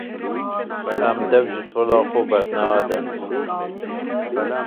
Em dev ji tola xwe bernadin.